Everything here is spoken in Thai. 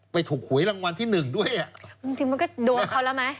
ถูกหวยรางวัลที่หนึ่งด้วยอ่ะจริงจริงมันก็โดนเขาแล้วไหม